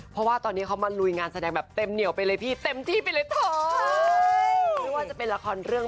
เพราะว่าตอนนี้เขามาลุยงานแสดงแบบเต็มเหนียวไปเลยพี่เต็มที่ไปเลย